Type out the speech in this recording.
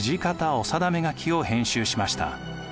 御定書を編集しました。